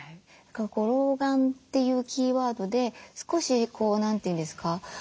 老眼っていうキーワードで少しこう何て言うんですか